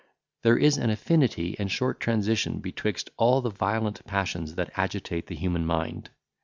There is an affinity and short transition betwixt all the violent passions that agitate the human mind.